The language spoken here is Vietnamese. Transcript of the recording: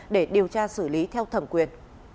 để điều tra xử lý theo thẩm quyền